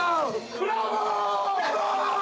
ブラボー！